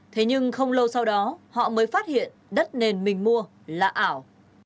thế nhưng không lâu sau đó họ mới phát hiện đất nền mình mua là ảo